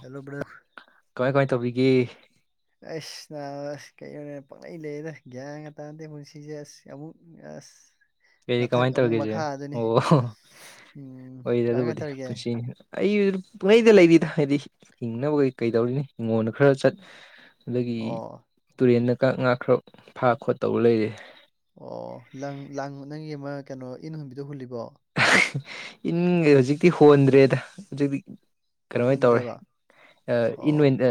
hello ꯕ ꯀꯃꯥꯏ ꯀꯃꯥꯏ ꯇꯧꯕꯤꯒꯦ ꯑꯁ ꯅꯥꯁ ꯀꯩꯅꯤ ꯄꯥꯛꯂꯩ ꯂꯩꯅ ꯒ꯭ꯌꯥꯟ ꯉꯥ ꯇꯥꯟꯅꯗꯦ ꯄꯨꯟꯁꯤꯁꯦ ꯑꯁ ꯑꯃꯨꯛ ꯑꯁ ꯀꯩꯗꯤ ꯃꯊꯛ ꯀꯃꯥꯏꯅ ꯑꯃꯨꯛ ꯇꯧꯔꯒꯦꯁꯦ ꯃꯈꯥ ꯑꯗꯨꯅꯤ ꯑꯣ ꯎꯝ ꯑꯣꯏꯗꯤ ꯀꯃꯥꯏ ꯀꯃꯥꯏ ꯑꯗꯨꯕꯨꯗꯤ ꯇꯧꯔꯤꯒꯦ ꯄꯨꯟꯁꯤꯅꯤ ꯑꯩ ꯄꯨꯡꯍꯩꯗ ꯂꯩꯔꯤꯗ ꯍꯥꯏꯗꯤ ꯍꯤꯡꯅꯕꯩ ꯀꯩꯗꯧꯔꯤꯅꯤ ꯍꯉꯣꯟꯗ ꯈꯔ ꯆꯠ ꯑꯗꯒꯤ ꯑꯣ ꯇꯨꯔꯦꯟꯗ ꯉꯈ꯭ꯔ ꯐꯥ ꯈꯣꯠꯇꯧꯕ ꯂꯩꯔꯦ ꯑꯣ ꯂꯪ ꯂꯥꯡ ꯅꯪꯒꯤ ꯑꯃ ꯀꯩꯅꯣ ꯏꯟ ꯍꯨꯟꯕꯤꯗꯣ ꯍꯨꯜꯂꯤꯕꯣ ꯏꯟ ꯍꯧꯖꯤꯛꯇꯤ ꯍꯣꯟꯗ꯭ꯔꯦꯗ ꯍꯧꯖꯤꯛꯇꯤ ꯀꯩꯅꯝꯍꯥꯏꯅ ꯇꯧꯔꯦ ꯍꯨꯟꯗ꯭ꯔꯦꯕ ꯏꯟ ꯑꯣ ꯑꯣꯏꯅ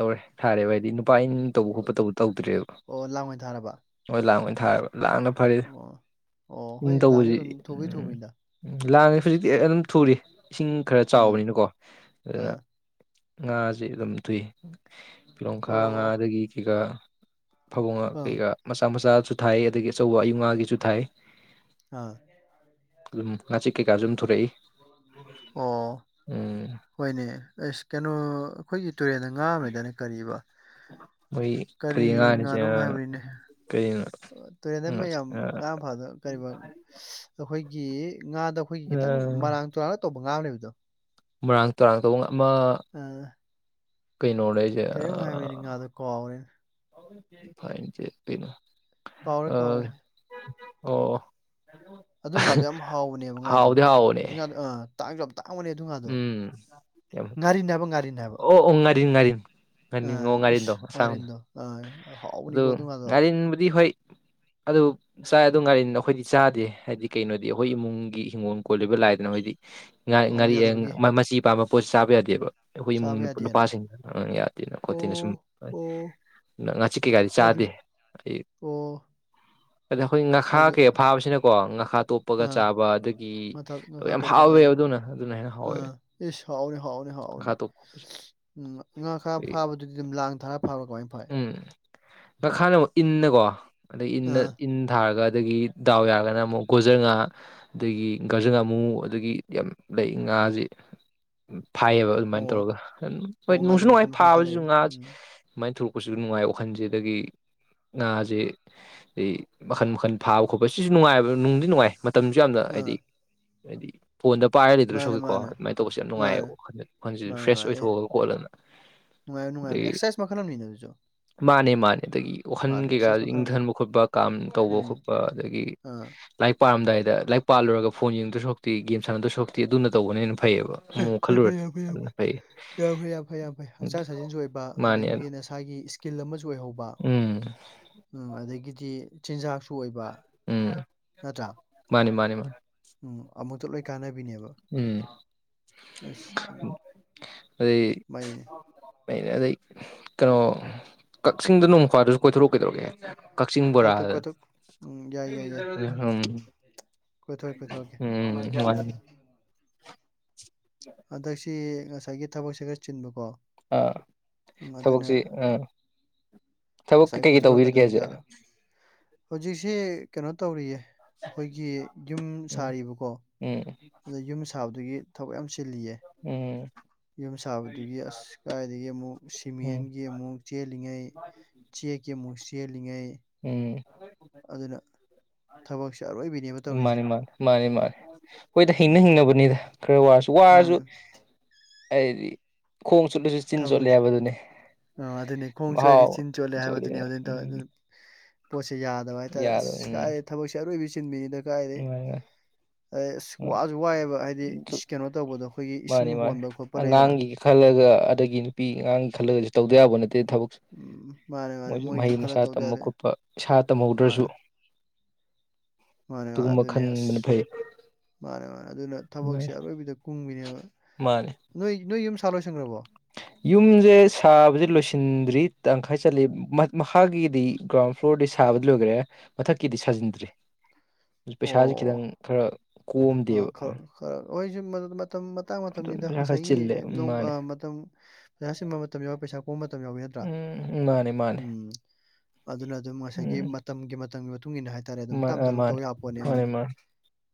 ꯇꯧꯔꯦ ꯊꯥꯔꯦꯕ ꯍꯥꯏꯗꯤ ꯅꯨꯄꯥ ꯏꯟ ꯇꯧꯕ ꯈꯣꯠꯄ ꯇ ꯑꯣ ꯂꯥꯡ ꯑꯣꯏꯅ ꯊꯥꯔꯕ ꯇꯧꯗ꯭ꯔꯦꯕꯣꯏ ꯂꯥꯡ ꯊꯥ ꯑꯣ ꯑꯣ ꯍꯣꯏꯅꯦ ꯂꯥꯡꯁꯨ ꯑꯗꯨꯝ ꯊꯣꯛꯧꯕꯩ ꯊꯣꯛꯧꯕꯅꯤꯗ ꯎ ꯂꯥꯡꯉ ꯍꯧꯖꯤꯛꯇꯤ ꯑꯗꯨꯝ ꯊꯨꯔꯤ ꯏꯁꯤꯡ ꯈꯔ ꯎꯝ ꯆꯥꯎꯕꯅꯤꯅꯀꯣ ꯑꯗꯨꯅ ꯑꯥ ꯉꯥꯁꯦ ꯑꯗꯨꯝ ꯊꯨꯏ ꯄꯤꯂꯣꯡꯈꯥ ꯑꯣ ꯉꯥꯗꯒꯤ ꯀꯩꯀꯥ ꯐꯕꯨꯡꯉ ꯑꯪ ꯀꯩꯀꯥ ꯃꯆꯥ ꯃꯆꯥꯁꯨ ꯊꯥꯏ ꯑꯗꯒꯤ ꯑꯆꯧꯕ ꯑꯌꯨꯛ ꯉꯥꯒꯤꯁꯨ ꯊꯥꯏ ꯑ [unintelligible] ꯑꯗꯨꯝ ꯉꯥꯆꯤꯛ ꯀꯩꯀꯥꯁꯨ ꯑꯗꯨꯝ ꯊꯨꯔꯛꯏ ꯑꯣ ꯍꯣꯏꯅꯦ ꯑꯁ ꯀꯩꯅꯣ ꯑꯩꯈꯣꯏꯒꯤ ꯇꯨꯔꯦꯟꯗ ꯉꯥ ꯑꯃ ꯂꯩꯗꯥꯏꯅꯦ ꯀꯔꯤꯕ ꯃꯣꯏ ꯀꯔꯤ ꯉꯥꯅꯣ ꯍꯥꯏꯕꯅꯤꯅꯦ ꯀꯔꯤꯅꯣ ꯇꯨꯔꯦꯟꯗꯩ ꯑꯃ ꯃꯌꯥꯝ ꯉꯥ ꯐꯥꯗꯣꯅ ꯑꯩꯈꯣꯏꯒꯤ ꯉꯥꯗ ꯑꯩꯈꯣꯏꯒꯤ ꯈꯤꯇꯪ ꯃꯔꯥꯡ ꯆꯨꯔꯥꯟꯂ ꯇꯧꯕ ꯉꯥꯝꯅꯦꯕꯗꯣ ꯃꯔꯥꯡ ꯇꯔꯥꯡ ꯇꯨꯡ ꯑꯃ ꯀꯩꯅꯣ ꯂꯩ ꯀꯔꯤꯝ ꯍꯥꯏꯕꯅꯤꯡꯀꯗꯣ ꯀꯥꯎꯔꯦ ꯐꯅꯣ ꯀꯥꯎꯔꯦ ꯀꯥꯎꯔꯦ ꯑ ꯑꯣ ꯑꯗꯨ ꯉꯥꯗꯣ ꯌꯥꯝ ꯍꯥꯎꯕꯅꯦꯕ ꯉꯥꯗꯣ ꯍꯥꯎꯗꯤ ꯍꯥꯎꯕꯅꯦ ꯍꯧꯖꯤꯛ ꯉꯥꯗꯣ ꯑ ꯇꯥꯡꯁꯨ ꯌꯥꯝ ꯇꯥꯡꯕꯅꯦ ꯑꯗꯨ ꯉꯥꯗꯣ ꯎꯝ ꯌꯥꯝ ꯉꯥꯔꯤꯟ ꯍꯥꯏꯕ ꯉꯥꯔꯤꯟ ꯍꯥꯏꯕ ꯑꯣ ꯑꯣ ꯉꯥꯔꯤ ꯉꯥꯔꯤ ꯉꯥꯔꯤ ꯉꯣ ꯑꯥ ꯏꯁ ꯉꯥꯔꯤꯦꯟꯗꯣ ꯑꯁꯥꯡꯅ ꯉꯥꯔꯤꯟꯗꯣ ꯑꯥ ꯑꯗꯨ ꯍꯥꯎꯕꯅꯤꯀꯣ ꯉꯥꯗꯣ ꯉꯥꯔꯤꯦꯟꯕꯨꯗꯤ ꯍꯣꯏ ꯑꯗꯨ ꯆꯥꯏ ꯑꯗꯨ ꯉꯥꯏꯔꯤꯏ ꯑꯩꯈꯣꯏꯗꯤ ꯆꯥꯗꯦ ꯍꯥꯏꯗꯤ ꯀꯩꯅꯣꯗꯤ ꯑꯩꯈꯣꯏ ꯏꯃꯨꯡꯒꯤ ꯍꯤꯡꯒꯣꯜ ꯀꯣꯜꯂꯤꯕ ꯂꯥꯏꯗꯨꯅ ꯑꯩꯈꯣꯏꯗꯤ ꯉꯥ ꯑꯣ ꯉꯥꯔꯤ ꯌꯥꯗꯕꯒꯤ ꯃꯆꯤ ꯄꯥꯝꯕ ꯄꯣꯠꯁꯤ ꯆꯥꯕ ꯌꯥꯗꯦꯕ ꯑꯩꯈꯣꯏ ꯆꯥꯕ ꯏꯃꯨꯡꯒꯤ ꯌꯥꯗꯦꯅ ꯅꯨꯄꯥꯁꯤꯡꯅ ꯌꯥꯗꯦꯅ ꯈꯣꯠꯇꯦꯅ ꯁꯨꯝ ꯑꯣ ꯑꯣ ꯉꯥꯆꯤꯛ ꯀꯩꯀꯥꯗꯤ ꯆꯥꯗꯦ ꯑꯗꯨꯅꯤ ꯑꯩ ꯑꯣ ꯑꯗ ꯑꯩꯈꯣꯏ ꯉꯥꯈꯥ ꯍꯧꯖꯤꯛ ꯀꯩ ꯐꯥꯕꯁꯤꯅꯀꯣ ꯉꯥꯈꯥ ꯇꯣꯞꯄꯒ ꯑꯥ ꯆꯥꯕ ꯑꯗꯒꯤ ꯌꯥꯝ ꯍꯥꯎꯋꯦꯕ ꯑꯗꯨꯅ ꯑꯗꯨꯅ ꯍꯦꯟꯅ ꯑ ꯍꯥꯎꯋꯦ ꯏꯁ ꯍꯥꯎꯅꯤ ꯍꯥꯎꯅꯤ ꯍꯥꯎꯅꯤ ꯉꯥꯈꯥ ꯇꯣꯞꯄꯁꯦ ꯎꯝ ꯉꯥꯈꯥ ꯑꯗꯒꯤ ꯐꯥꯕ ꯑꯗꯨꯗꯤ ꯑꯗꯨꯝ ꯂꯥꯡ ꯊꯔꯥ ꯐꯕ꯭ꯔꯥ ꯀꯃꯥꯏꯅ ꯐꯥꯏ ꯎꯝ ꯃꯈꯥꯅ ꯑꯃꯨꯛ ꯏꯟꯅꯀꯣ ꯑꯗꯩ ꯏꯟꯅ ꯑꯥ ꯏꯟ ꯊꯥꯔꯒ ꯑꯗꯒꯤ ꯗꯥꯎ ꯌꯥꯔꯒꯅ ꯑꯃꯨꯛ ꯒꯣꯖꯔ ꯉꯥ ꯑꯗꯒꯤ ꯒꯥꯖꯔ ꯉꯥꯃꯨ ꯑꯗꯨꯗꯒꯤ ꯌꯥꯝ ꯂꯩ ꯉꯥꯁꯦ ꯐꯥꯏꯌꯦꯕ ꯑꯗꯨꯃꯥꯏꯅ ꯑꯣ ꯇꯧꯔꯒ ꯍꯣꯏ ꯑꯣ ꯅꯨꯡꯁꯨ ꯉꯥꯁꯨ ꯃꯈꯜ ꯅꯨꯡꯉꯥꯏ ꯃꯈꯜ ꯈꯔ ꯐꯥꯕꯁꯤꯁꯨ ꯂꯩꯕ ꯉꯥꯁꯤ ꯎꯝ ꯑꯗꯨꯃꯥꯏꯅ ꯊꯨꯔ ꯀꯁꯨ ꯅꯨꯡꯉꯥꯏ ꯋꯥꯈꯟꯁꯦ ꯑꯗꯒꯤ ꯉꯥꯁꯦ ꯑꯗꯩ ꯃꯈꯟ ꯃꯈꯜ ꯐꯥꯕ ꯈꯣꯠꯄ ꯁꯤꯁꯨ ꯅꯨꯡꯉꯥꯏꯕ ꯅꯨꯡꯗꯤ ꯅꯨꯡꯉꯥꯏ ꯃꯇꯝꯁꯨ ꯌꯥꯝꯅ ꯑꯥ ꯍꯥꯏꯗꯤ ꯍꯥꯏꯗꯤ ꯐꯣꯟꯗ ꯄꯥꯏꯔ ꯃꯥꯅꯦ ꯂꯩꯗ꯭ꯔꯁꯨꯛꯀꯣ ꯃꯥꯅꯦ ꯑꯗꯨꯃꯥꯏꯅ ꯇꯧꯕꯁꯨ ꯌꯥꯝ ꯃꯥꯅꯦ ꯅꯨꯡꯉꯥꯏꯌꯦꯕ ꯋꯥꯈꯜ ꯋꯥꯈꯟꯁꯤꯁꯨ ꯐ꯭ꯔꯦꯁ ꯑꯣꯏꯊꯣꯛꯑꯒ ꯈꯣꯠꯂꯒ ꯅꯨꯡꯉꯥꯏ ꯅꯨꯡꯥꯏ ꯑꯗꯒꯤ ꯑꯦꯛꯁꯥꯏ ꯃꯈꯜ ꯑꯃꯅꯤꯅ ꯑꯗꯨꯁꯨ ꯃꯥꯅꯦ ꯃꯥꯅꯦ ꯑꯗꯨꯒꯤ ꯋꯥꯈꯟ ꯃꯥꯅꯦ ꯀꯩꯀꯥ ꯑꯦꯛꯁꯔꯁꯥꯏꯁ ꯃꯈꯜ ꯑꯃꯅꯤ ꯏꯪꯊꯟꯕ ꯈꯣꯠꯄ ꯀꯥꯝ ꯇꯧꯕ ꯎꯝ ꯈꯣꯠꯄ ꯑꯗꯒꯤ ꯑꯥ ꯂꯥꯏꯔꯤꯛ ꯄꯥꯔꯝꯗꯥꯏ ꯂꯥꯏꯔꯤꯛ ꯄꯥꯂꯣꯏꯔꯒ ꯐꯣꯟ ꯌꯦꯡꯗꯣꯏ ꯁꯔꯨꯛꯇꯤ ꯒꯦꯝ ꯁꯥꯟꯅꯗꯁꯔꯨꯛꯇꯤ ꯑꯗꯨꯅ ꯇꯧꯕꯅ ꯍꯦꯟꯅ ꯐꯩꯌꯦꯕ ꯑꯦ ꯑꯃꯨꯛ ꯐꯩ ꯐꯩ ꯈꯜꯂꯨꯔꯗꯤ ꯌꯥꯝ ꯐꯩ ꯌꯥꯝ ꯑꯗꯨꯅ ꯐꯩ ꯌꯥꯝ ꯐꯩ ꯌꯥꯝ ꯐꯩ ꯌꯥꯝ ꯐꯩ ꯍꯛꯆꯥꯡ ꯁꯥꯖꯦꯟꯁꯨ ꯑꯣꯏꯕ ꯃꯥꯅꯦ ꯑꯗꯒꯤꯗꯤ ꯍꯥꯏꯒꯤ ꯏꯁꯀꯤꯜ ꯑꯃꯁꯨ ꯑꯣꯏꯍꯧꯕ ꯎꯝ ꯑꯗꯒꯤꯗꯤ ꯆꯤꯟꯖꯥꯛꯁꯨ ꯑꯣꯏꯕ ꯎꯝ ꯅꯠꯇ꯭ꯔꯥ ꯃꯥꯅꯤ ꯃꯥꯅꯤ ꯃꯥꯅꯤ ꯎꯝ ꯑꯃꯨꯛꯇ ꯂꯣꯏ ꯀꯥꯟꯅꯕꯤꯅꯦꯕ ꯎꯝ ꯑꯩ ꯥꯃꯩꯅꯦ ꯑꯩꯅ ꯑꯗꯩ ꯀꯩꯅꯣ ꯀꯛꯆꯤꯡꯗ ꯅꯣꯡ ꯐꯥꯗꯨꯁꯨ ꯀꯣꯏꯊꯣꯔꯛꯎ ꯀꯩꯗꯧꯔꯒꯦ ꯀꯛꯆꯤꯡ ꯀꯥꯎꯊꯣꯛ ꯕꯣꯔꯥꯗ ꯀꯣꯏꯊꯣꯛ ꯎꯝ ꯌꯥꯏ ꯌꯥꯏ ꯌꯥꯏ ꯎꯝ ꯀꯣꯏꯊꯣꯔꯛ ꯀꯣꯏꯊꯣꯔꯛꯀꯦ ꯎꯝ ꯍꯟꯗꯛꯁꯤ ꯉꯁꯥꯏꯒꯤ ꯊꯕꯛꯁꯦ ꯈꯔ ꯆꯤꯟꯕꯀꯣ ꯑꯥ ꯃꯗꯨꯅꯦ ꯊꯕꯛꯁꯤ ꯑꯥ ꯊꯕꯛ ꯉꯁꯥꯏ ꯀꯩꯀꯩ ꯇꯧꯕꯤꯔꯤꯒꯦ ꯍꯧꯖꯤꯛ ꯀꯣꯏꯊꯣꯔꯛꯀꯗꯕꯁꯨ ꯥꯗ ꯍꯧꯖꯤꯛꯁꯤꯦ ꯀꯩꯅꯣ ꯇꯧꯔꯤꯌꯦ ꯑꯩꯈꯣꯏꯒꯤ ꯌꯨꯝ ꯎꯝ ꯁꯥꯔꯤꯕꯀꯣ ꯎꯝ ꯑꯗ ꯌꯨꯝ ꯁꯥꯕꯗꯨꯒꯤ ꯊꯕꯛ ꯌꯥꯝ ꯆꯤꯜꯂꯤꯌꯦ ꯎꯝ ꯌꯨꯝ ꯁꯥꯕꯗꯨꯒꯤ ꯑꯁ ꯀꯥꯏꯗꯒꯤ ꯑꯃꯨꯛ ꯁꯤꯃꯦꯟꯒꯤ ꯀ ꯃꯨꯛ ꯆꯦꯜꯂꯤꯉꯩ ꯆ ꯀꯦ ꯃꯨꯛ ꯆꯦꯜꯂꯤꯉꯩ ꯎꯝ ꯑꯗꯨꯅ ꯊꯕꯛꯁꯦ ꯑꯔꯣꯏꯕꯤ ꯃꯥꯅꯤ ꯃꯥꯅꯤ ꯃꯥꯅꯤ ꯃꯥꯅꯤ ꯑꯩꯈꯣꯏꯗ ꯍꯤꯡꯅ ꯎꯝ ꯍꯤꯡꯅꯕꯅꯤꯗ ꯈꯔ ꯋꯥꯔꯁꯨ ꯋꯥꯔꯁꯨ ꯃꯥꯅꯦ ꯍꯥꯏꯗꯤ ꯈꯣꯡꯁꯨꯠꯁꯨ ꯊꯕꯛꯁꯦ ꯑꯥ ꯑꯗꯨꯅꯤ ꯈꯣꯡ ꯆꯣꯠꯂꯗꯤ ꯃꯍꯥꯎ ꯆꯤꯟ ꯆꯣꯠꯂꯦ ꯍꯥꯏꯕꯗꯨꯅꯦ ꯑꯗꯨꯅ ꯇꯧꯋꯦ ꯑꯗꯨ ꯄꯣꯠꯁꯦ ꯌꯥꯗꯕ ꯍꯥꯏꯇꯥꯔꯦ ꯌꯥꯗꯕ ꯑꯁ ꯎꯝ ꯀꯥꯏꯗꯩ ꯊꯕꯛꯁꯦ ꯑꯔꯣꯏꯕꯤ ꯆꯤꯟꯕꯤꯅꯤꯗ ꯀꯥꯏꯗꯗꯒꯤ ꯅꯨꯡꯉꯥꯏ ꯑꯁ ꯅꯨꯡꯉꯥꯏ ꯋꯥꯁꯨ ꯋꯥꯏꯑꯦꯕ ꯍꯥꯏꯗꯤ ꯀꯩꯅꯣ ꯇꯧꯕꯗꯣ ꯑꯩꯈꯣꯏꯒꯤ ꯏꯁꯤꯡ ꯃꯥꯅꯤ ꯃꯥꯅꯤ ꯍꯣꯟꯕ ꯈꯣꯠꯄ ꯂꯩꯗꯅ ꯑꯉꯥꯡꯒꯤ ꯈꯜꯂꯒ ꯑꯗꯒꯤ ꯅꯨꯄꯤ ꯑꯉꯥꯡꯒꯤ ꯈꯜꯂꯒꯁꯨ ꯇꯧꯗ ꯌꯥꯕ ꯅꯠꯇꯦ ꯊꯕꯛ ꯎꯝ ꯃꯥꯅꯦ ꯃꯥꯅꯦ ꯃꯣꯏꯁꯨ ꯃꯍꯩ ꯈꯔ ꯃꯁꯥ ꯇꯧꯗ ꯇꯝꯕ ꯌꯥꯗꯦ ꯈꯣꯠꯄ ꯏꯁꯥ ꯇꯝꯍꯧꯗ꯭ꯔꯁꯨ ꯃꯥꯅꯦ ꯃꯥꯅꯦ ꯃꯥꯅꯦ ꯑꯗꯨꯒꯨꯝꯕ ꯑꯗꯨꯅꯦ ꯑꯁ ꯈꯟꯕꯅ ꯐꯩ ꯃꯥꯅꯦ ꯃꯥꯅꯦ ꯑꯗꯨꯅ ꯊꯕꯛꯁꯦ ꯑꯔꯣꯏꯕꯤꯗ ꯀꯨꯡꯃꯤꯅꯦꯕ ꯃꯥꯅꯦ ꯅꯣꯏ ꯅꯣꯏ ꯌꯨꯝ ꯁꯥ ꯂꯣꯏꯁꯟꯈ꯭ꯔꯕꯣ ꯌꯨꯝꯁꯦ ꯁꯥꯕꯁꯦ ꯂꯣꯏꯁꯤꯟꯗ꯭ꯔꯤ ꯇꯪꯈꯥꯏ ꯆꯠꯂꯤ ꯃꯈꯥꯒꯤꯗꯤ ꯒ꯭ꯔꯥꯎꯟ ꯐ꯭ꯂꯣꯔꯗꯤ ꯁꯥꯕꯗꯤ ꯂꯣꯏꯈ꯭ꯔꯦ ꯃꯊꯛꯀꯤꯗꯤ ꯁꯥꯖꯤꯟꯗ꯭ꯔꯤ ꯄꯩꯁꯥꯥꯁꯦ ꯑꯣ ꯈꯤꯇꯪ ꯈꯔ ꯑ ꯀꯣꯝꯗꯦꯕ ꯈꯔ ꯑꯣꯏꯁꯨ ꯃ ꯍꯇꯥꯡ ꯑꯗꯨꯝ ꯃꯇꯝꯅꯤꯗ ꯄꯩꯁꯥ ꯈꯔ ꯉꯁꯥꯏꯒꯤ ꯆꯤꯜꯂꯦ ꯎꯝ ꯅꯣꯡ ꯃꯥꯅꯦ ꯃꯇꯝ ꯄꯩꯁꯥ ꯁꯤꯟꯕ ꯃꯇꯝ ꯌꯥꯎꯋꯤ ꯄꯩꯁꯥ ꯀꯣꯛꯕ ꯃꯇꯝ ꯌꯥꯎꯏ ꯅꯗ꯭ꯔꯥ ꯎꯝ ꯃꯥꯅꯦ ꯃꯥꯅꯦ ꯑꯗꯨꯅ ꯑꯗꯨꯝ ꯉꯁꯥꯏꯒꯤ ꯎꯝ ꯃꯇꯝꯒꯤ ꯃꯇꯝꯒꯤ ꯃꯇꯨꯡ ꯏꯟꯅ ꯍꯥꯏꯇꯥꯔꯦ ꯑꯗꯨꯝ ꯇꯞ ꯃꯥꯅꯦ ꯇꯞꯅ ꯃꯥꯅꯦ ꯇꯧ ꯌꯥꯄꯣꯠꯅꯦꯝ ꯃꯥꯅꯦ ꯃꯥꯅꯦ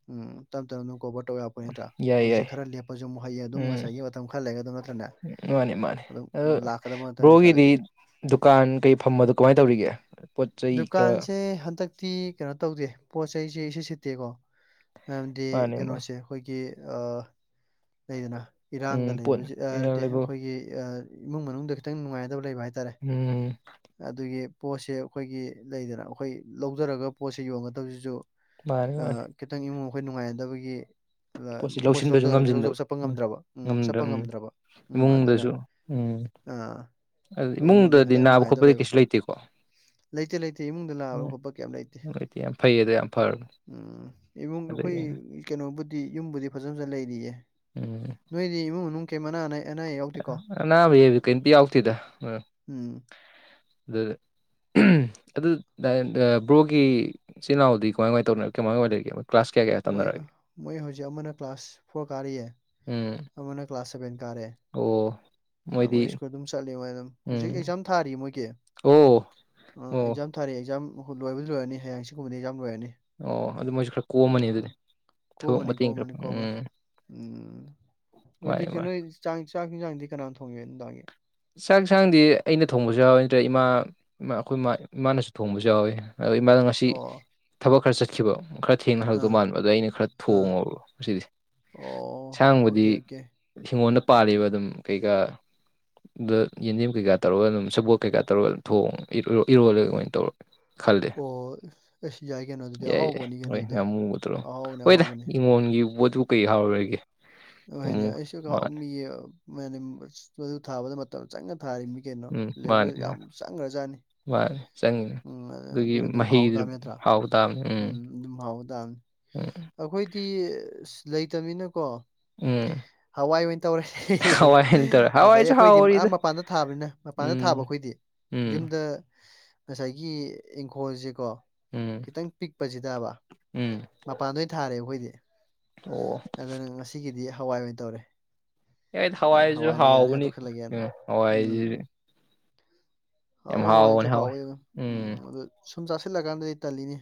ꯎꯝ ꯇꯝ ꯇ ꯅ ꯀꯣꯕꯔ ꯇꯧ ꯑꯩꯈꯣꯏ ꯅꯠꯇ꯭ꯔꯥ ꯌꯥꯏ ꯍꯧꯖꯤꯛ ꯌꯥꯏ ꯈꯔ ꯂꯦꯞꯄꯁꯨ ꯍꯩ ꯑꯗꯨꯝ ꯎꯝ ꯉꯁꯥꯏꯒꯤ ꯃꯇꯝ ꯈꯔ ꯂꯩꯒ ꯑꯗꯨꯝ ꯅꯠꯇ꯭ꯔꯅꯦ ꯑꯗꯨꯝ ꯑ ꯂꯥꯛꯀꯗꯕ ꯅꯠꯇ꯭ꯔꯅꯦ ꯕ꯭ꯔꯣꯒꯤꯗꯤ ꯄꯩꯁꯥꯗꯨꯗꯤ ꯗꯨꯀꯥꯟ ꯀꯩ ꯐꯝꯕꯗꯣ ꯀꯃꯥꯏꯅ ꯇꯧꯔꯤꯒꯦ ꯄꯣꯠ ꯆꯩ ꯈꯔ ꯗꯨꯀꯥꯟꯁꯦ ꯍꯟꯗꯛꯇꯤ ꯀꯩꯅꯣ ꯇꯧꯗꯦ ꯄꯣꯠ ꯆꯩꯁꯦ ꯁꯤ ꯁꯤꯠꯇꯦꯀꯣ ꯃꯔꯝꯗꯤ ꯃꯥꯅꯦ ꯃꯥ ꯀꯩꯅꯣꯁꯦ ꯑꯩꯈꯣꯏꯒꯤ ꯀꯗꯅ ꯎꯝ ꯏꯔꯥꯡꯒ ꯄꯣꯠ ꯂꯩꯕꯕꯁꯤ ꯅꯠꯇꯦ ꯂꯩꯕ ꯑꯩꯈꯣꯏꯒꯤ ꯏꯃꯨꯡ ꯃꯅꯨꯡꯗ ꯈꯤꯇꯪ ꯅꯨꯡꯉꯥꯏꯗꯕ ꯂꯩꯕ ꯍꯥꯏꯇꯥꯔꯦ ꯎꯝ ꯑꯗꯨꯒꯤ ꯄꯣꯠꯁꯦ ꯑꯩꯈꯣꯏꯒꯤ ꯂꯩꯗꯅ ꯑꯩꯈꯣꯏ ꯂꯧꯖꯔꯒ ꯄꯣꯠꯁꯦ ꯌꯣꯟꯒꯗꯕꯁꯤꯁꯨ ꯃꯥꯅꯤ ꯃꯥꯅꯤ ꯈꯤꯇꯪ ꯏꯃꯨꯡ ꯑꯩꯈꯣꯏ ꯅꯨꯡꯉꯥꯏꯅꯗꯕꯒꯤ ꯄꯣꯠꯁꯤ ꯂꯧꯁꯤꯟꯕꯁꯨ ꯂꯧꯗ ꯉꯝꯁꯤꯟꯗꯕ ꯂꯧꯕ ꯆꯠꯄ ꯎꯝ ꯉꯝꯗ꯭ꯔꯕ ꯎꯝ ꯉꯝꯗ꯭ꯔ ꯆꯠꯄ ꯉꯝꯗ꯭ꯔꯕ ꯎꯝ ꯑꯗꯨꯅ ꯏꯃꯨꯡꯗꯁꯨ ꯎꯝ ꯑꯥ ꯑꯗꯨ ꯑꯩꯈꯣꯏ ꯏꯃꯨꯡꯗ ꯏꯃꯨꯡꯗꯗꯤ ꯈꯇꯪ ꯅꯥꯕ ꯈꯣꯠꯄꯗꯤ ꯅꯨꯡꯉꯥꯏꯗꯧꯔꯦꯕ ꯀꯩꯁꯨ ꯂꯩꯇꯦꯀꯣ ꯂꯩꯇꯦ ꯂꯩꯇꯦ ꯏꯃꯨꯡꯗ ꯂꯥꯛꯕ ꯎꯝ ꯈꯣꯠꯄ ꯀꯌꯥꯝ ꯂꯩꯇꯦ ꯌꯥꯝ ꯐꯩ ꯑꯗꯣ ꯌꯥꯝ ꯐꯔꯕꯅꯦ ꯎꯝ ꯏꯃꯨꯡꯒ ꯑꯗꯒꯤ ꯀꯩꯅꯣꯕꯨꯗꯤ ꯌꯨꯝꯕꯨꯗꯤ ꯐꯖ ꯐꯖꯅ ꯂꯩꯔꯤꯌꯦ ꯎꯝ ꯅꯣꯏꯗꯤ ꯏꯃꯨꯡ ꯃꯅꯨꯡ ꯀꯦꯝ ꯑꯅꯥ ꯑꯅꯥꯌꯦꯛ ꯑꯅꯥꯕ ꯌꯦꯩꯕꯗꯤ ꯀꯩꯔꯤꯝꯇ ꯌꯥꯎꯗꯦꯗ ꯎ ꯎꯝ ꯑꯗꯨꯗꯤ ꯑꯗꯨ ꯕ꯭ꯔꯣꯒꯤ ꯏꯆꯤꯜ ꯏꯅꯥꯎꯗꯤ ꯀꯃꯥꯏ ꯀꯃꯥꯏ ꯇꯧꯅ ꯀꯃꯥꯏ ꯀꯃꯥꯏ ꯂꯩꯔꯤꯒꯦ ꯀ꯭ꯂꯥꯁ ꯀꯌꯥ ꯀꯌꯥ ꯃꯣꯏ ꯇꯝꯅꯔꯒꯦ ꯃꯣꯏ ꯍꯧꯖꯤꯛ ꯑꯃꯅ ꯀ꯭ꯂꯥꯁ ꯐꯣꯔ ꯀꯥꯔꯤꯌꯦ ꯎꯝ ꯑꯃꯅ ꯀ꯭ꯂꯥꯁ ꯁꯚꯦꯟ ꯀꯥꯔꯦ ꯑꯣ ꯃꯣꯏꯗꯤ ꯃꯣꯏ ꯁ꯭ꯀꯨꯜ ꯑꯗꯨꯝ ꯆꯠꯂꯤ ꯃꯣꯏ ꯑꯗꯨꯝ ꯍꯧꯖꯤꯛ ꯎꯝ ꯑꯦꯛꯖꯥꯝ ꯊꯥꯔꯤ ꯃꯣꯏꯒꯤ ꯑꯣ ꯑꯥ ꯑꯣ ꯑꯦꯛꯖꯥꯝ ꯊꯥꯔꯑ ꯑꯦꯛꯥꯝ ꯂꯣꯏꯕꯗꯤ ꯂꯔꯅꯤ ꯍꯌꯦꯡ ꯁꯤꯒꯨꯝꯕꯗꯤ ꯑꯦꯛꯥꯝ ꯂꯣꯏꯔꯅꯤ ꯑꯣ ꯑꯗꯨ ꯃꯣꯏꯁꯨ ꯈꯔ ꯀꯣꯝꯃꯅꯤ ꯑꯗꯨꯗꯤ ꯊꯕꯛ ꯀꯣꯃꯅꯤ ꯃꯇꯦꯡ ꯈꯔ ꯀꯣꯃꯅꯤ ꯀꯣꯃꯅꯤ ꯎꯝ ꯎꯝ ꯍꯧꯖꯤ ꯃꯥꯅꯤ ꯀꯩꯅꯣ ꯃꯥꯅꯤ ꯆꯥꯛ ꯆꯥꯛ ꯍꯤꯡꯖꯥꯡꯗꯤ ꯀꯅꯥꯣ ꯊꯣꯡꯉꯦ ꯅꯨꯡꯗꯥꯡꯒꯤ ꯆꯥꯛꯁꯥꯡꯗꯤ ꯑꯩꯅ ꯊꯣꯡꯕꯁꯨ ꯌꯥꯎꯋꯤ ꯅꯠꯇ꯭ꯔꯦ ꯏꯃꯥ ꯑꯩꯈꯣꯏ ꯏꯃꯥꯅꯁꯨ ꯊꯣꯡꯕꯁꯨ ꯌꯥꯎꯋꯦ ꯑ ꯏꯃꯥꯅ ꯉꯁꯤ ꯑꯣ ꯊꯕꯛ ꯈꯔ ꯆꯠꯈꯤꯕ ꯈꯔ ꯊꯦꯡꯅ ꯑꯥ ꯍꯜꯂꯛꯇꯧ ꯃꯥꯟꯕ ꯑꯗꯣ ꯑꯩꯅ ꯈꯔ ꯑꯥ ꯊꯣꯡꯉꯕ ꯉꯁꯤꯗꯤ ꯑꯣ ꯢꯟꯁꯥꯡ ꯕꯨꯗꯤ ꯑꯣꯀꯦ ꯑꯣꯀꯦ ꯍꯤꯡꯒꯣꯣꯟꯗ ꯄꯥꯜꯂꯤꯕ ꯑꯗꯨꯝ ꯀꯩꯀꯥ ꯗ ꯌꯦꯟꯗꯦꯝ ꯀꯩꯀꯥ ꯇꯧꯔꯒ ꯑꯗꯨꯝ ꯁ‌ꯦꯕꯣꯠ ꯀꯩꯀꯥ ꯇꯧꯔꯒ ꯑꯗꯨꯝ ꯊꯣꯡ ꯏ ꯏꯔꯣꯜꯂ ꯑꯗꯨꯃꯥꯏꯅ ꯇꯧꯔ ꯈꯜꯂ‌ꯦ ꯑꯣ ꯑꯁ ꯌꯥꯏ ꯀꯩꯅꯣ ꯑꯗꯨꯗꯤ ꯌꯥꯏ ꯌꯥꯏ ꯑꯍꯥꯎꯕꯅꯤ ꯀꯩꯅꯣ ꯍꯣꯏ ꯑꯗꯨꯗꯤ ꯉꯃꯨꯕ ꯇꯔꯣ ꯑꯍꯥꯎꯕꯅꯦ ꯍꯣꯏꯗ ꯑꯍꯥꯎꯕꯅꯤ ꯏꯉꯣꯟꯒꯤ ꯄꯣꯠꯇꯨ ꯀꯩ ꯍꯥꯎꯔ‌ꯣꯏꯒꯦ ꯍꯣꯏꯅꯦ ꯑꯩꯁꯨ ꯃꯤ ꯃ [unintelligible] ꯊꯥꯕꯗ ꯃꯇꯝ ꯆꯪꯅ ꯊꯥꯔꯤꯅꯤ ꯀ‌ꯦꯅꯣ ꯎꯝ ꯃꯥꯅꯤ ꯃꯥꯅꯤ ꯂꯦꯕꯔ ꯌꯥꯝ ꯆꯪꯒꯔꯖꯥꯠꯅꯤ ꯃꯥꯅꯦ ꯆꯪꯉꯤꯅꯦ ꯑꯗꯨꯒꯤ ꯑꯗꯨꯝ ꯍꯥꯎ ꯃꯍꯩꯗꯨꯅ ꯇꯥꯕ ꯅꯠꯇ꯭ꯔꯥ ꯍꯥꯎꯇꯥꯝ ꯎꯝ ꯑꯗꯨꯝ ꯍꯥꯎꯕ ꯇꯥꯕꯅꯤ ꯎꯝ ꯑꯩꯈꯣꯏꯗꯤ ꯑꯁ ꯂꯩꯇꯝꯅꯤꯅꯀꯣ ꯎꯝ ꯍꯋꯥꯏ ꯑꯣꯏꯅ ꯇꯧꯔꯦ ꯍꯋꯥꯏꯅ ꯇꯧꯔꯦ ꯉꯁꯥꯏ ꯍꯋꯥꯏꯁꯨ ꯑꯩꯈꯣꯏꯗꯤ ꯑ ꯍꯥꯎꯔꯤꯗ ꯃꯄꯥꯟꯗ ꯊꯥꯕꯅꯤꯅ ꯃꯄꯥꯟꯗ ꯊꯥꯕ ꯎꯝ ꯑꯩꯈꯣꯏꯗꯤ ꯎꯝ ꯌꯨꯝꯗ ꯉꯁꯥꯏꯒꯤ ꯏꯪꯈꯣꯜꯁꯦꯀꯣ ꯎꯝ ꯈꯤꯇꯪ ꯄꯤꯛꯄꯁꯤꯗꯕ ꯎꯝ ꯃꯄꯥꯟꯗ ꯑꯣꯏꯅ ꯊꯥꯔꯦ ꯑꯩꯈꯣꯏꯗꯤ ꯑꯣ ꯑꯗꯨꯅ ꯉꯁꯤꯒꯤꯗꯤ ꯍꯋꯥꯏ ꯑꯣꯏꯅ ꯇꯧꯔꯦ ꯌꯥꯏꯗ ꯍꯋꯥꯏꯁꯨ ꯍꯋꯥꯏ ꯅꯩꯅ ꯌꯥꯅꯦꯦ ꯑꯇ ꯍꯥꯎꯕꯅꯤ ꯈꯦꯂꯒꯦꯅ ꯀꯩꯅꯣ ꯎꯝ ꯍꯋꯥꯏꯁꯤ ꯌꯥꯝ ꯍꯥꯎꯋꯦ ꯍꯥꯎꯕꯅꯦ ꯍꯥꯎꯋꯏꯁꯨ ꯍꯋꯥꯏ ꯍꯥꯎꯋꯦ ꯑꯗꯨꯝ ꯎꯝ ꯑꯗꯨ ꯁꯨꯝ ꯆꯥꯁꯤꯜꯂꯀꯥꯟꯗꯗꯤ ꯇꯜꯂꯤꯅꯤ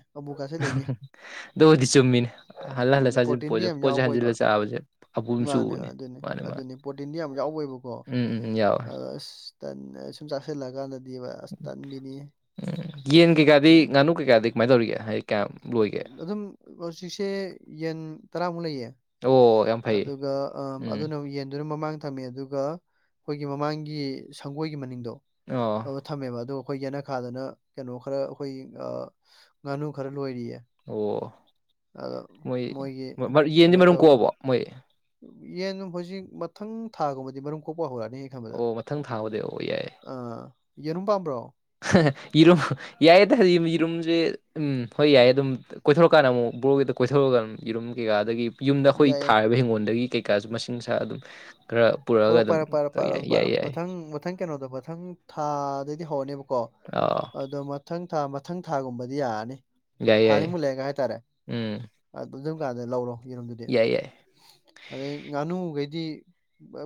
ꯑꯗꯨꯕꯨꯗꯤ ꯆꯨꯝꯃꯤꯅꯦ ꯍꯜꯂ ꯍꯜꯂ ꯎꯝ ꯆꯥꯁꯤꯜ ꯄ꯭ꯔꯣꯇꯤꯟꯗꯤ ꯄꯣꯠꯁꯦ ꯌꯥꯝ ꯄꯣꯠꯁꯦ ꯌꯥꯎꯕ ꯍꯟꯖꯤꯜꯂ ꯑꯣꯏꯕ ꯆꯥꯕꯁꯦ ꯑꯄꯨꯝ ꯃꯥꯅꯦ ꯆꯨꯕꯅꯦ ꯑꯗꯨꯅꯦ ꯃꯥꯅꯦ ꯃꯥꯅꯦ ꯑꯗꯨꯅꯤ ꯄ꯭ꯔꯣꯇꯤꯟꯗꯤ ꯌꯥꯝ ꯌꯥꯎꯕꯩꯕꯀꯣ ꯎꯝ ꯎꯝ ꯎꯝ ꯌꯥꯎꯋꯦ ꯑꯗ ꯑꯁ ꯇꯟꯅ ꯁꯨꯝ ꯆꯥꯁꯤꯜꯂꯀꯥꯟꯗꯗꯤ ꯑꯁ ꯇꯟꯕꯤꯅꯤꯍꯦ ꯎꯝ ꯌꯦꯟ ꯀꯩꯀꯥꯗꯤ ꯉꯥꯅꯨ ꯀꯩꯀꯥꯗꯤ ꯀꯃꯥꯏꯅ ꯇꯧꯔꯤꯒꯦ ꯍꯥꯏꯗꯤ ꯀꯌꯥꯝ ꯂꯣꯏꯒꯦ ꯑꯗꯨꯝ ꯍꯧꯖꯤꯛꯁꯦ ꯌꯦꯟ ꯇꯔꯥꯃꯨꯛ ꯂꯩꯌꯦ ꯑꯣ ꯌꯥꯝ ꯐꯩꯌꯦ ꯑꯗꯨꯒ ꯑꯥ ꯎꯝ ꯑꯗꯨꯅ ꯌꯦꯟꯗꯨꯅ ꯃꯃꯥꯡ ꯊꯝꯃꯦ ꯑꯗꯨ ꯑꯗꯨꯒ ꯑꯩꯈꯣꯏꯒꯤ ꯃꯃꯥꯡꯒꯤ ꯁꯪꯒꯣꯏꯒꯤ ꯃꯅꯤꯡꯗꯣ ꯑ‌ꯣ ꯑꯗꯣ ꯊꯝꯃꯦꯕ ꯑꯗꯨ ꯑꯩꯈꯣꯏ ꯌꯦꯅꯈꯥꯗꯅ ꯀꯩꯅꯣ ꯈꯔ ꯑꯩꯈꯣꯏ ꯑ ꯉꯥꯅꯨ ꯈꯔ ꯂꯣꯏꯔꯤꯌꯦ ꯑꯣ ꯑꯗꯣ ꯃꯣꯏ ꯃꯣꯏꯒꯤ ꯌꯦꯟꯗꯤ ꯀꯩꯅꯣ ꯃꯔꯨꯝ ꯇꯧꯔꯒ ꯀꯣꯛꯑꯕꯣ ꯃꯣꯏ ꯌꯦꯟꯅꯨꯡ ꯍꯧꯖꯤꯛ ꯃꯊꯪ ꯊꯥꯒꯨꯝꯕꯗꯤ ꯃꯔꯨꯝ ꯀꯣꯛꯄ ꯍꯧꯔꯛꯑꯅꯤ ꯈꯟꯕꯗ ꯑꯣ ꯃꯊꯪ ꯊꯥꯕꯗ ꯑꯣ ꯌꯥꯏ ꯑꯥ ꯌꯦꯔꯨꯝ ꯄꯥꯝꯕ꯭ꯔꯣ ꯌꯦꯔꯨꯝ ꯌꯥꯏꯌꯦꯗ ꯌꯦꯔꯨꯝꯁꯦ ꯎꯝ ꯍꯣꯏ ꯌꯥꯏꯌꯦ ꯑꯗꯨꯝ ꯀꯣꯏꯊꯣꯔꯛꯀꯥꯟꯗ ꯑꯃꯨꯃꯨꯛ ꯕ꯭ꯔ‌ꯣꯒꯤꯗ ꯀꯣꯏꯊꯣꯔꯛꯀꯥꯟ ꯌ‌ꯦꯔꯨꯝ ꯀꯩꯀꯥꯗꯒꯤ ꯌꯨꯝꯗ ꯑꯩꯈꯣꯏ ꯌꯥꯏꯌꯦ ꯊꯥꯔꯤꯕ ꯍꯤꯡꯒꯣꯜꯗꯒꯤ ꯀꯩꯀꯥꯁꯨ ꯃꯁꯤꯡꯁꯥ ꯑꯗꯨꯝ ꯈꯔ ꯄꯨꯔꯛꯑꯒ ꯄꯨꯔꯛ ꯑꯗꯨꯝ ꯄꯥꯏꯔ‌ꯣ ꯄꯥꯏꯔ‌ꯣ ꯇꯧ ꯄꯥꯏꯔꯣ ꯌꯥꯏ ꯌꯥꯏ ꯄꯥꯏꯔꯣ ꯌꯥꯏ ꯃꯊꯪ ꯃꯊꯪ ꯀꯩꯅꯣꯗ ꯃꯊꯪ ꯊꯥꯗꯩꯗꯤ ꯍꯧꯔꯅꯦꯕꯀꯣ ꯑ ꯑꯗꯣ ꯃꯊꯪ ꯊꯥ ꯃꯊꯪ ꯊꯥꯒꯨꯝꯕꯗꯤ ꯌꯥꯔꯅꯤ ꯌꯥꯏ ꯊꯥꯅꯤ ꯌꯥꯏ ꯃꯨꯛ ꯂꯩꯒ ꯍꯥꯏꯇꯥꯔꯦ ꯎꯝ ꯑꯥ ꯇꯨꯝꯖꯝ ꯀꯥꯟꯗ ꯂꯧꯔꯣ ꯌꯦꯔꯨꯝꯗꯨꯗꯤ ꯌꯥꯏ ꯌꯥꯏ ꯑꯗꯩ ꯉꯥꯅꯨꯈꯩꯗꯤ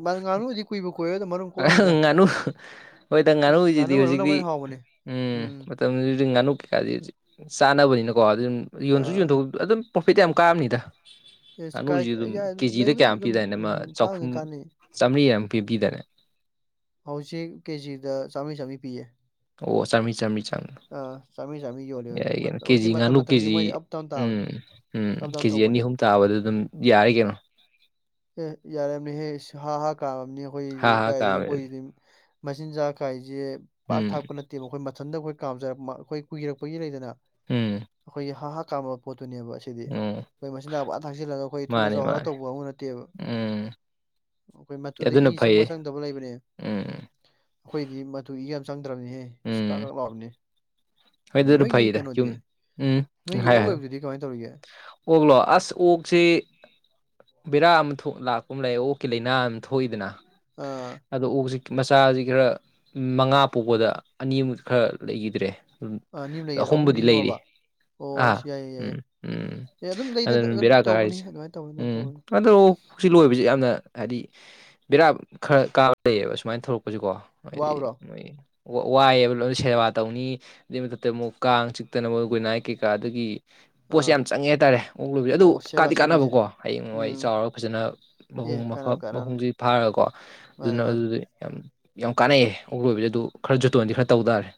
ꯃꯥ ꯉꯥꯅꯨꯗꯤ ꯀꯨꯏꯕꯨ ꯀꯨꯏꯔꯔ‌ꯣꯏꯗ ꯃꯔꯨꯝ ꯀꯣꯛꯂꯛꯑꯅꯤꯗ ꯉꯥꯅꯨ ꯍꯣꯏꯗ ꯉꯥꯅꯨꯁꯤꯗꯤ ꯉꯥꯅꯨ ꯃꯔꯨꯝꯅꯕꯨ ꯍꯧꯖꯤꯛꯇꯤ ꯍꯦꯟꯅ ꯍꯥꯎꯕꯅꯦ ꯎꯝ ꯃꯇꯝꯖꯤ ꯍꯧꯖꯤꯛ ꯉꯥꯅꯨ ꯀꯩꯀꯥꯗꯤ ꯖꯤꯛ ꯆꯥꯅꯕꯅꯤꯅꯀꯣ ꯑꯗꯨꯝ ꯌꯣꯟꯁꯨ ꯑꯥ ꯌꯣꯟꯊꯣꯛ ꯑꯗꯨꯝ ꯄ꯭ꯔꯣꯐꯤꯠꯇꯤ ꯌꯥꯝ ꯀꯥꯔꯝꯅꯤꯗ ꯑꯦꯁ ꯀꯥꯏ ꯉꯥꯅꯨꯁꯤ ꯑꯗꯨꯝ ꯌꯥꯏ ꯀꯦꯖꯤꯗ ꯂꯩꯕꯨꯗꯤ ꯀꯌꯥ ꯑꯗꯨꯝ ꯄꯤꯗꯥꯏꯅ‌ꯦ ꯑꯃ ꯎꯝ ꯆꯍꯨꯝ ꯀꯥꯟꯕꯨꯗꯤ ꯀꯥꯟꯅꯩ ꯆꯥꯝꯃ꯭ꯔꯤ ꯌꯥꯝ ꯄꯤ ꯄꯤꯗꯥꯏꯅꯦ ꯍꯧꯖꯤꯛ ꯀꯦꯖꯤꯗ ꯆꯥꯝꯔꯤ ꯆꯥꯝꯔꯤ ꯄꯤꯌ‌ꯦ ꯑꯣ ꯆꯥꯝꯃꯔꯤ ꯆꯥꯝꯔꯤ ꯆꯥꯡ ꯆꯥꯝꯃꯔꯤ ꯆꯥꯝꯃꯔꯤ ꯌꯣꯜꯂꯦ ꯌꯥꯏ ꯍꯧꯖꯤꯛ ꯀꯩꯅ ꯀꯦꯖꯤ ꯍꯧꯖꯤꯛ ꯃꯇꯝ ꯉꯥꯅꯨ ꯃꯇꯝꯒꯤ ꯀꯦꯖꯤ ꯃꯣꯏꯗꯤ ꯑꯞ ꯗꯥꯎꯟ ꯇꯥꯕꯅꯦ ꯎꯝ ꯎꯝ ꯑꯞ ꯗꯥꯎꯟ ꯀꯦꯖꯤ ꯑꯅꯤ ꯇꯧꯕꯅꯦꯕ ꯑꯍꯨꯝ ꯇꯥꯕꯗ ꯑꯗꯨꯝ ꯌꯥꯔꯦ ꯀꯩꯅꯣ ꯑꯦ ꯌꯥꯔꯝꯅꯤꯍꯦ ꯏꯁ ꯍꯥ ꯍꯥ ꯀꯥꯝꯃꯝꯅꯤ ꯍꯥ ꯑꯩꯈꯣꯏꯒꯤꯗꯤ ꯍꯥ ꯀꯥꯏꯗꯒꯤ ꯀꯥꯝꯃꯦ ꯑꯗꯨꯗꯤ ꯑꯩꯈꯣꯏꯖꯤꯗꯤ ꯃꯆꯤꯟꯖꯥꯛ ꯀꯥꯏꯁꯦ ꯄꯥꯛ ꯎꯝ ꯊꯥꯛꯄ ꯅꯠꯇꯦꯕ ꯑꯩꯈꯣꯏ ꯃꯊꯟꯇ ꯑꯩꯈꯣꯏ ꯀꯥꯝꯖꯔꯛ ꯑꯩꯈꯣꯏ ꯀꯨꯏꯔꯛꯄꯒꯤ ꯂꯩꯗꯅ ꯎꯝ ꯑꯩꯈꯣꯏꯒꯤ ꯍꯥ ꯍꯥꯥ ꯀꯥꯝꯕ ꯄꯣꯠꯇꯨꯅꯦꯕ ꯁꯤ ꯗꯤ ꯎꯝ ꯑꯩꯈꯣꯏ ꯃꯆꯤꯟꯖꯥꯛ ꯄꯨꯝꯊꯥꯛ ꯊꯥꯛꯆꯜꯂꯒ ꯑꯩꯈꯣꯏ ꯊꯨꯅ ꯃꯥꯅꯦ ꯆꯥꯎꯍꯜꯂꯒ ꯃꯥꯅꯦ ꯇꯧꯕ ꯀꯥꯡꯒꯨ ꯅꯠ ꯇꯦꯕ ꯎꯝ ꯑꯩꯈꯣꯏ ꯃꯇꯨꯗ ꯑꯗꯨꯅ ꯏ ꯐꯩꯌꯦ ꯆꯪꯕ ꯆꯪꯗꯕ ꯂꯩꯕꯅꯦ ꯎꯝ ꯑꯩꯈꯣꯏꯗꯤ ꯃꯇꯨ ꯏ ꯌꯥꯝ ꯆꯪꯗ꯭ꯔꯕꯅꯤꯍꯦ ꯏꯁ ꯀꯥꯛ ꯎꯝ ꯀꯥꯛ ꯂꯥꯎꯔꯝꯅ‌ꯦ ꯍꯣꯏ ꯑꯗꯨꯅ ꯅꯣꯏꯒꯤ ꯐꯩꯗ ꯀꯩꯅꯣꯗꯤ ꯌꯨꯝ ꯎꯝ ꯅꯣꯏꯒꯤ ꯍꯥꯏꯌꯣ ꯑꯣꯛ ꯍꯥꯏꯌꯣ ꯂꯣꯏꯕꯗꯨꯗꯤ ꯀꯃꯥꯏꯅ ꯇꯧꯔꯤꯒꯦ ꯑꯣꯛꯂꯣ ꯑꯁ ꯑꯣꯛꯁꯤ ꯕꯦꯔꯥ ꯑꯃ ꯊꯣꯛ ꯂꯥꯛꯄ ꯑꯃ ꯂꯩ ꯑꯣꯛꯀꯤ ꯂꯥꯏꯅꯥ ꯑꯃ ꯊꯣꯛꯏꯗꯅ ꯑꯥ ꯑꯗꯣ ꯑꯣꯛꯁꯤ ꯃꯆꯥꯁꯤ ꯈꯔ ꯃꯉꯥ ꯄꯣꯛꯕꯗ ꯑꯅꯤꯃꯨꯛ ꯈꯔ ꯂꯩꯈꯤꯗ꯭ꯔꯦ ꯑꯅꯤ ꯑꯃ ꯂꯩꯒꯗ꯭ꯔꯥ ꯑꯍꯨꯝꯗꯤ ꯑꯍꯨꯝꯕꯨꯗꯤ ꯂꯩꯔꯤ ꯍꯤꯡꯉꯕ ꯑꯣ ꯑꯥ ꯑꯁ ꯌꯥꯏꯌꯦ ꯌꯥꯏꯌꯦ ꯎꯝ ꯎꯝ ꯑꯦ ꯑꯗꯨꯝ ꯂꯩꯗꯅ ꯑꯗꯨꯅꯤ ꯑꯗꯨꯝ ꯕꯦꯔꯥ ꯇꯧꯕꯅꯤ ꯀꯥꯔꯤꯁꯦ ꯑꯗꯨꯃꯥꯏꯅ ꯇꯧꯕꯅꯤ ꯑꯗꯨꯃꯥꯏꯅ ꯎꯝ ꯇꯧꯕꯅꯤ ꯁꯨꯃꯥꯏꯅ ꯇꯧꯔꯛ ꯍꯧꯖꯤ ꯂꯣꯏꯕꯕꯁꯤ ꯌꯥꯝꯅ ꯍꯥꯏꯗꯤ ꯕꯤꯔꯥꯞ ꯈꯔ ꯀꯥꯕ ꯂꯩꯌꯦꯕ ꯁꯨꯃꯥꯏꯅ ꯊꯂꯛꯄꯁꯨꯀꯣ ꯍꯥꯏꯗꯤ ꯋꯥꯕ꯭ꯔꯣ ꯃꯣꯏ ꯋꯥ ꯋꯥꯏꯌ‌ꯦꯕ ꯂꯣꯏꯅ ꯁꯦꯕꯥ ꯇꯧꯅꯤ ꯑꯗꯨꯏ ꯃꯊꯛꯇ ꯑꯃꯨꯛ ꯀꯥꯡ ꯆꯤꯛꯇꯅꯕ ꯒꯨꯠꯅꯥꯏꯠ ꯀꯩꯀꯥꯗꯒꯤ ꯄꯣꯠꯁꯦ ꯑꯥ ꯌꯥꯝ ꯆꯪꯉꯦ ꯍꯥꯏꯇꯥꯔꯦ ꯑꯣꯛ ꯂ‌ꯣꯏꯕꯁꯦ ꯑꯗꯨ ꯑꯣ ꯁꯦꯕꯥ ꯀꯥꯟꯗꯤ ꯁꯦꯕꯤꯁꯦ ꯀꯥꯟꯅꯕꯀꯣ ꯍꯌꯦꯡꯋꯥꯏ ꯎꯝ ꯆꯥꯎꯔꯒ ꯐꯖꯅ ꯑꯦ ꯃꯍꯨꯝ ꯃꯐ ꯀꯥꯟꯅꯕꯅꯤ ꯀꯥꯟꯅꯕꯅꯤ ꯃꯍꯨꯝꯁꯤ ꯐꯥꯔꯒꯀꯣ ꯃꯥꯅꯤ ꯑꯗꯨꯅ ꯃꯥꯅꯤ ꯑꯗꯨꯗꯨꯏ ꯌꯥꯝ ꯌꯥꯝ ꯀꯥꯟꯅꯩꯑ ꯑꯣꯛꯂꯣꯏꯕꯁꯦ ꯑꯗꯨ ꯈꯔ ꯖꯨꯇꯣꯟꯗꯤ ꯈꯔ ꯇꯧ ꯇꯥꯔꯦ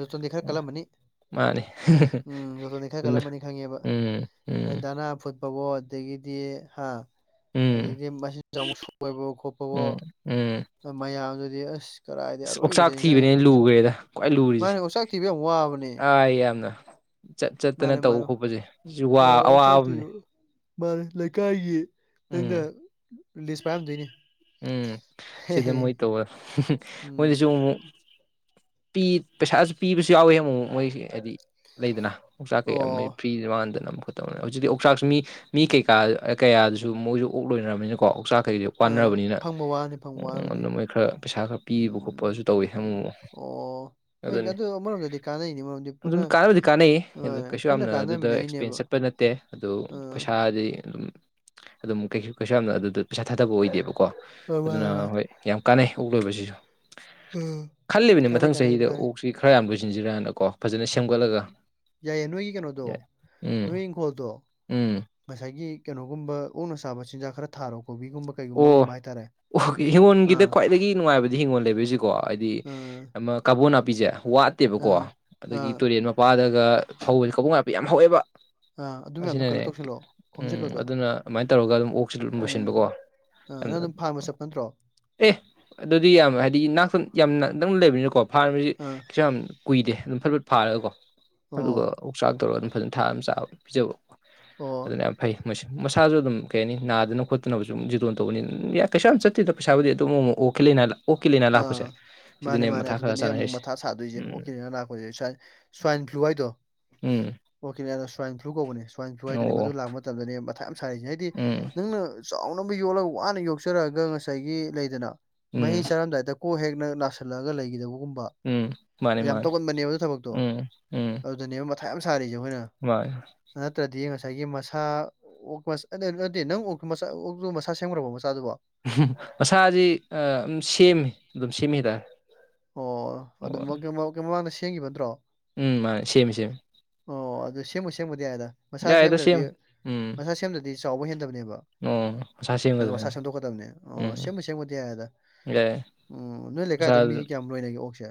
ꯖꯣꯇꯣꯟꯗꯤ ꯈꯔ ꯎꯝ ꯀꯜꯂꯝꯃꯅꯤ ꯃꯥꯅꯤ ꯎꯝ ꯖꯣꯇꯣꯟꯗꯤ ꯈꯔ ꯑꯗꯨꯅ ꯀꯜꯂꯝꯃꯅꯤ ꯈꯪꯉꯦꯕ ꯎꯝ ꯅꯣꯏ ꯎꯝ ꯗꯅꯥ ꯐꯨꯠꯄꯋꯣ ꯑꯗꯒꯤꯗꯤ ꯍꯥ ꯎꯝ ꯑꯗꯗꯒꯤꯗꯤ ꯃꯆꯤꯟꯥꯛ ꯁꯣꯏꯕ ꯈꯣꯠꯄꯣ ꯎꯝ ꯃꯌꯥꯝꯗꯨꯗꯤ ꯑꯁ ꯀꯔꯥꯏꯗꯩ ꯑ ꯑꯣꯛꯆꯥꯛ ꯑꯔꯣꯏꯕꯤꯗꯅꯤ ꯅꯪ ꯊꯤꯕꯅꯤꯅ ꯂꯨꯈ꯭ꯔꯦꯗ ꯈ꯭ꯋꯥꯏ ꯂꯨꯔꯤꯁꯦ ꯃꯥꯅꯦ ꯑꯣꯆꯥꯛ ꯊꯤꯕ ꯌꯥꯝ ꯋꯥꯕꯅꯦ ꯑ ꯌꯥꯝꯅ ꯆꯠ ꯆꯠꯇꯅ ꯃꯥꯅꯦ ꯃꯥꯅꯦ ꯇꯧꯕ ꯈꯣꯠꯄꯁꯦ ꯁꯤꯁꯨ ꯋꯥ ꯑꯋꯥꯕ ꯑꯣꯆꯥꯛ ꯑꯃꯅꯦ ꯊꯤꯕ ꯃꯥꯅꯦ ꯂꯩꯀꯥꯏꯒꯤ ꯅꯪꯅ ꯎꯝ ꯂꯤꯁ ꯄꯥꯏꯔꯝꯗꯣꯏꯅꯤ ꯎꯝ ꯁꯤꯗ ꯃꯣꯏ ꯇꯧꯋꯦ ꯃꯣꯏꯗꯁꯨ ꯎꯝ ꯑꯃꯨꯛ ꯤ ꯄꯩꯁꯥꯁꯨ ꯄꯤꯕꯁꯨ ꯌꯥꯎꯋꯤ ꯑꯃꯨꯛ ꯃꯣꯏ ꯍꯥꯏꯗꯤ ꯂꯩꯗꯅ ꯀꯣꯡꯆꯥꯛ ꯀꯩ ꯑꯣ ꯐ꯭ꯔꯤ ꯃꯥꯟꯅꯗꯅ ꯑꯃ ꯈꯣꯠꯇꯕꯅꯤ ꯍꯧꯖꯤꯛꯇꯤ ꯑꯣꯛꯆꯥꯛꯁꯨ ꯃꯤ ꯀꯩꯀꯥ ꯀꯌꯥꯗꯨꯁꯨ ꯃꯣꯏꯁꯨ ꯑꯣꯛ ꯂꯣꯏꯅꯔꯕꯅꯤꯅꯀꯣ ꯆꯥꯛ ꯈꯩꯁꯨ ꯑ ꯋꯥꯅꯥꯔꯕꯅꯤꯅꯥ ꯐꯪꯕ ꯋꯥꯅꯤ ꯐꯪꯕ ꯋꯥꯕꯅꯤ ꯑꯗꯨꯝ ꯃꯣꯏ ꯈꯔ ꯄꯩꯁꯥ ꯈꯔ ꯄꯤꯕ ꯎꯝ ꯈꯣꯠꯄꯁꯨ ꯇꯧꯋꯤ ꯍꯪꯉꯣ ꯎꯝ ꯑꯣ ꯍꯣꯏ ꯑꯗꯨꯅꯤ ꯑꯗꯨ ꯑꯃꯔꯣꯝꯗꯗꯤ ꯀꯥꯟꯅꯩꯅꯤ ꯃꯔꯝꯗꯤ ꯑꯗꯨꯝ ꯄꯨꯟꯅ ꯀꯥꯟꯅꯕꯗꯤ ꯀꯥꯟꯅꯩ ꯑꯗꯨ ꯃꯥꯅꯦ ꯀꯩꯁꯨ ꯄꯨꯟꯅ ꯌꯥꯝꯅ ꯑꯗꯨꯗ ꯑꯦꯛꯁꯄꯦꯟꯁ ꯀꯥꯟꯅꯃꯤꯟꯅꯔꯤꯅꯦꯕ ꯆꯠꯄ ꯅꯠꯇꯦ ꯑꯗꯨ ꯑꯥ ꯄꯩꯁꯥꯗꯤ ꯑꯗꯨꯝ ꯑꯗꯨꯝ ꯀꯩꯁꯨ ꯀꯩꯁꯨ ꯌꯥꯝꯅ ꯑꯗꯨꯗ ꯄꯩꯁꯥ ꯊꯥꯗꯕ ꯑꯣꯏꯗꯦꯕꯀꯣ ꯍꯣꯏ ꯃꯥꯅꯦ ꯑꯗꯨꯅ ꯃꯥꯅꯦ ꯍꯣꯏ ꯌꯥꯝ ꯀꯥꯟꯅꯩ ꯑꯣꯛ ꯂꯣꯏꯕꯁꯤꯁꯨ ꯎꯝ ꯈꯜꯂꯤꯕꯅꯤ ꯀꯥꯟꯅꯩ ꯃꯊꯪ ꯀꯥꯟꯅꯩ ꯑꯗꯨꯗꯤ ꯆꯍꯤꯗ ꯀꯥꯟꯅꯩ ꯑꯣꯛ ꯁꯤ ꯈꯔ ꯌꯥꯝ ꯂꯣꯏꯁꯤꯟꯖꯔꯛꯑꯥꯟꯅꯀꯣ ꯌꯥꯏꯌꯦ ꯅꯣꯏꯒꯤ ꯀꯩꯅꯣꯗꯣ ꯎꯝ ꯅꯣꯏ ꯏꯪꯈꯣꯜꯗꯣ ꯎꯝ ꯉꯁꯥꯏꯒꯤ ꯀꯩꯅꯣꯒꯨꯝꯕ ꯑꯣꯛꯅ ꯁꯥꯕ ꯆꯤꯟꯖꯥꯛ ꯈꯔ ꯊꯥꯔꯣ ꯀꯣꯕꯤꯒꯨꯝꯕ ꯀꯩꯒꯨꯝꯕ ꯑꯃ ꯑꯣ ꯑꯃ ꯍꯥꯏꯇꯥꯔꯦ ꯑꯣ ꯍꯤꯡꯒꯣꯜꯒꯤꯗ ꯑꯥ ꯈ꯭ꯋꯥꯏꯗꯒꯤ ꯅꯨꯡꯉꯥꯏꯕꯗꯤ ꯍꯤꯡꯒꯣꯜ ꯂꯩꯕꯤꯁꯤꯀꯣ ꯍꯥꯏꯗꯤ ꯑꯥ ꯑꯃ ꯀꯥꯕꯣꯟ ꯅꯥꯄꯤꯁꯦ ꯋꯥꯠꯇꯦꯕꯀꯣ ꯑꯥ ꯑꯗꯨꯒꯤ ꯑꯥ ꯇꯨꯔꯦꯟ ꯃ ꯋꯥꯗꯒ ꯐꯧ ꯀꯕꯣ ꯅꯥꯄꯤ ꯌꯥꯝ ꯍꯧꯋꯦꯕ ꯑꯥ ꯑꯗꯨ ꯃꯌꯥꯝꯗꯣ ꯑꯁꯤꯅꯅꯦ ꯀꯂꯦꯛ ꯇꯧꯁꯤꯜꯂꯛꯑꯣ ꯎꯝ ꯈꯣꯝꯖꯤꯜꯂꯣꯗꯣ ꯑꯗꯨꯅ ꯑꯃꯥꯏꯅ ꯇꯧꯔꯒ ꯑꯗꯨꯝ ꯑꯣꯛꯁꯨ ꯑꯗꯨꯝ ꯂꯣꯏꯁꯤꯟꯕꯀꯣ ꯎꯝ ꯅꯪ ꯑꯗꯨꯝ ꯐꯥꯔꯝꯕ ꯆꯠꯄ ꯅꯠꯇ꯭ꯔꯣ ꯑꯦ ꯑꯗꯨꯗꯤ ꯌꯥꯝ ꯍꯥꯏꯗꯤ ꯌꯥꯝ ꯅꯪ ꯂꯩꯕꯅꯤꯅꯀꯣ ꯐꯥꯔꯃꯔꯁꯤ ꯑꯥ ꯁ ꯌꯥꯝ ꯀꯨꯏꯗꯦ ꯑꯗꯨꯝ ꯐꯠ ꯐꯠ ꯐꯥꯔꯒꯀꯣ ꯑꯣ ꯑꯗꯨꯒ ꯑꯣꯛꯆꯥꯛ ꯇꯧꯔꯒ ꯑꯗꯨꯝ ꯐꯖꯅ ꯊꯥꯅ ꯆꯥꯕ ꯄꯤꯖꯕꯀꯣ ꯑꯣ ꯑꯗꯨꯅ ꯌꯥꯝ ꯐꯩ ꯃꯁꯤ ꯃꯁꯥꯁꯨ ꯑꯗꯨꯝ ꯀꯩ ꯍꯥꯏꯅꯤ ꯅꯥꯗꯅ ꯈꯣꯠꯇꯅꯕꯁꯨ ꯖꯤꯇꯣꯟ ꯇꯧꯕꯅꯤꯅꯏ ꯀꯩꯥꯝ ꯆꯠꯇꯦꯗ ꯄꯩꯁꯥꯕꯨꯗꯤ ꯑꯗꯨꯝꯛꯠꯂꯅꯤꯅꯥꯜꯂ ꯑꯥ ꯃꯥꯅꯦ ꯃꯥꯅꯦ ꯈꯔ ꯑꯗꯨꯗꯅꯦ ꯑꯃꯨꯛ ꯆꯥꯟꯅꯔꯤꯁꯦ ꯃꯊꯥ ꯁꯥꯗꯣꯏꯁꯦ ꯎꯝ ꯑꯣꯀꯤꯅꯤꯅ ꯂꯥꯛꯄꯣꯏꯁꯦ ꯁꯥꯏ ꯁ꯭ꯋꯥꯏꯟ ꯐ꯭ꯂꯨ ꯍꯥꯏꯗꯣ ꯎꯝ ꯑꯣꯀꯦ ꯃꯣ ꯁ꯭ꯋꯥꯏꯟ ꯐ꯭ꯂꯨ ꯀꯧꯕꯅꯦ ꯁ꯭ꯋꯥꯏꯟ ꯐ꯭ꯂꯨ ꯍꯥꯏꯗꯨꯅꯦ ꯑꯣ ꯃꯗꯨ ꯂꯥꯛ ꯃꯇꯝꯗꯅꯦ ꯃꯊꯥ ꯌꯥꯝ ꯁꯥꯔꯤꯁꯦ ꯍꯥꯏꯗꯤ ꯎꯝ ꯅꯪꯅ ꯆꯥꯎꯅꯕ ꯌꯣꯛꯂꯒ ꯋꯥꯅ ꯌꯣꯛꯆꯔꯛꯑꯒ ꯉꯁꯥꯏꯒꯤ ꯂꯩꯗꯅ ꯃꯍꯤ ꯎꯝ ꯂꯗꯥꯗ ꯀꯣꯛ ꯍꯦꯛꯅ ꯅꯥꯁꯤꯜꯂꯛꯑꯒ ꯂꯩꯈꯤꯗꯕꯒꯨꯝꯕ ꯎꯝ ꯃꯥꯅꯤ ꯌꯥꯝ ꯃꯥꯅꯤ ꯇꯧꯒꯟꯕꯅꯦꯕ ꯑꯗꯨ ꯊꯕꯛꯇꯣ ꯎꯝ ꯎꯝ ꯑꯗꯨ ꯑꯘꯅꯦꯕ ꯃꯊꯥ ꯌꯥꯝ ꯁꯥꯔꯤꯁꯦ ꯑꯩꯈꯣꯏꯅ ꯃꯥꯅꯤ ꯅꯠꯇ꯭ꯔꯗꯤ ꯉꯁꯥꯏꯒꯤ ꯃꯁꯥ ꯑꯣꯛ ꯅ [unintelligible] ꯅꯪ ꯑꯣꯛꯇꯣ ꯃꯆꯥ ꯑꯣꯛꯇꯣ ꯃꯆꯥ ꯁꯦꯝꯈ꯭ꯔꯕꯣ ꯃꯆꯥꯗꯨꯕꯣ ꯃꯁꯥꯁꯤ ꯁꯦꯝꯃꯤ ꯑꯗꯨꯝ ꯁꯦꯝꯃꯤ ꯍꯥꯏꯇꯥꯔꯦ ꯑꯣ ꯑꯗꯨ ꯑꯣ ꯃꯒꯤ ꯃꯒꯤ ꯃꯃꯥꯡꯗ ꯁꯦꯝꯈꯤꯕ ꯅꯠꯇ꯭ꯔꯣ ꯎꯝ ꯃꯥꯅꯦ ꯁꯦꯝꯃꯤ ꯁꯦꯝꯃꯤ ꯑꯣ ꯑꯗꯨ ꯁꯦꯝꯃꯨ ꯁꯦꯝꯕꯨꯗꯤ ꯌꯥꯏꯗ ꯃꯁꯥ ꯌꯥꯏꯗ ꯁꯦꯝꯗ꯭ꯔꯗꯤ ꯁꯦꯝꯃꯤ ꯎꯝ ꯃꯁꯥ ꯁꯦꯝꯗ꯭ꯔꯗꯤ ꯆꯥꯎꯕ ꯍꯦꯟꯗꯕꯅꯦꯕ ꯑꯣ ꯃꯁꯥ ꯑ ꯃꯁꯥ ꯁꯦꯝꯒꯗꯕꯅꯦ ꯁꯦꯝꯗꯣꯛꯀꯗꯕꯅꯦ ꯑꯣ ꯁꯦꯝꯕꯨ ꯁꯦꯝꯒꯗꯤ ꯌꯥꯔꯦꯗ ꯌꯏꯌꯏ ꯎꯝ ꯅꯣꯏ ꯂꯩꯀꯥꯏꯗ ꯃꯤ ꯀꯌꯥꯝ ꯂꯣꯏꯅꯒꯦ ꯑꯣꯛꯁꯦ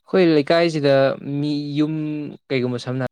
ꯑꯩꯈꯣꯏ ꯂꯩꯀꯥꯏꯁꯤꯗ ꯃꯤ ꯌꯨꯝ ꯀꯩꯒꯨꯝꯕ ꯁꯝꯅ ꯍꯥꯏꯔꯕ